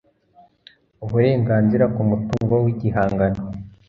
uburenganzira ku mutungo w igihangano